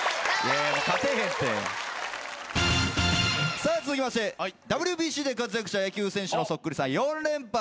さあ続きましてＷＢＣで活躍した野球選手のそっくりさん４連発です。